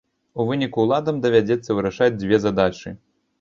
У выніку ўладам давядзецца вырашаць дзве задачы.